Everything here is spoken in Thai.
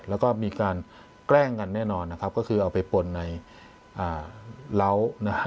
แล้วก็มีการแกล้งกันแน่นอนนะครับก็คือเอาไปปนในอ่าเหล้านะฮะ